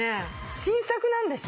新作なんでしょ？